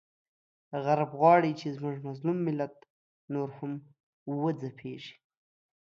غرب غواړي چې زموږ مظلوم ملت نور هم وځپیږي،